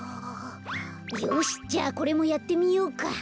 よしじゃあこれもやってみようか。